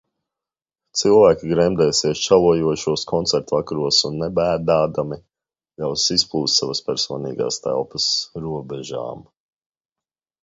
Cilvēki gremdēsies čalojošos koncertvakaros un nebēdādami ļaus izplūst savas personīgās telpas robežām.